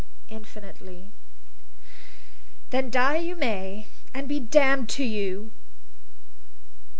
"Infinitely." "Then die you may, and be damned to you!"